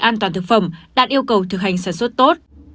an toàn thực phẩm đạt yêu cầu thực hành sản xuất tốt